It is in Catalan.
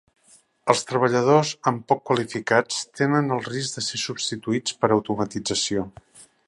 Els treballadors amb poc qualificats tenen el risc de ser substituïts per automatització.